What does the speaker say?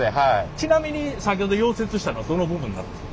ちなみに先ほど溶接したのはどの部分なるんですか？